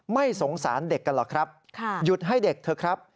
ไม่สงสารเด็กกันหรอกครับหยุดให้เด็กเถอะครับ